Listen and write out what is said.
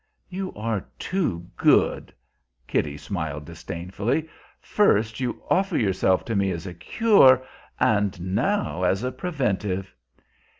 "You are too good!" Kitty smiled disdainfully. "First you offer yourself to me as a cure, and now as a preventive."